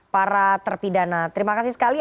para terpidana terima kasih sekali